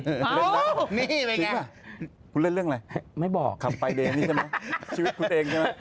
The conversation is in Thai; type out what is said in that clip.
อ้าวนี่แหละเนี่ยคิดว่าคุณเล่นเรื่องอะไรขับไปเองนี่ใช่มั้ยชีวิตคุณเองใช่มั้ย